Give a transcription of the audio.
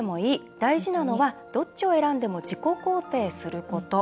大事なのはどっちを選んでも自己肯定すること。